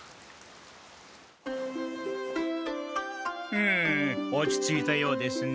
ふむ落ち着いたようですね。